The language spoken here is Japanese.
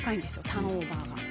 ターンオーバーが。